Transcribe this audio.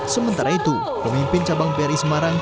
sementara itu pemimpin cabang bri semarang